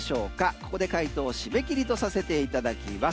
ここで解答締め切りとさせていただきます。